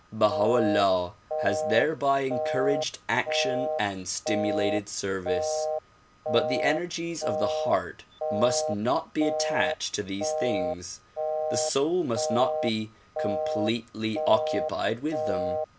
Baha 'Ullah has thereby encouraged action and stimulated service. But the energies of the heart must not be attached to these things ; the soul must not be completely occupied with them.